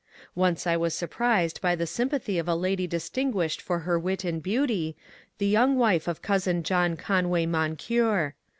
Once I was surprised by the sympathy of a lady distinguished for her wit and beauty, the young wife of cousin John Conway Moncure.